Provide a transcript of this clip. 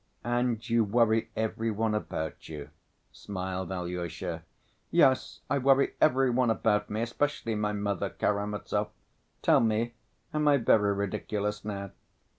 "And you worry every one about you," smiled Alyosha. "Yes, I worry every one about me, especially my mother. Karamazov, tell me, am I very ridiculous now?"